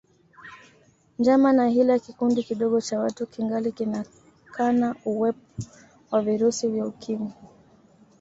Njama na hila kikundi kidogo cha watu kingali kinakana uwep wa virusi vya Ukimwi